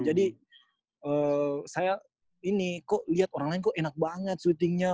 jadi saya ini kok lihat orang lain kok enak banget shootingnya